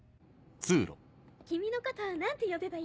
君のこと何て呼べばいい？